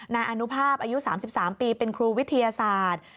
นายอนุภาพอายุ๓๓ปีเป็นครูวิทยาศาสตร์